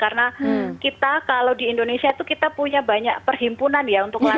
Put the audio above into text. karena kita kalau di indonesia itu kita punya banyak perhimpunan ya untuk lansia